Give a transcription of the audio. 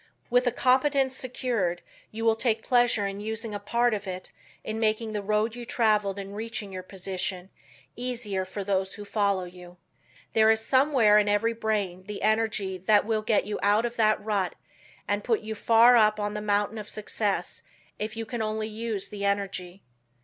With a competence secured, you will take pleasure in using a part of it in making the road you traveled in reaching your position easier for those who follow you. There is somewhere in every brain the energy that will get you out of that rut and put you far up on the mountain of success if you can only use the energy.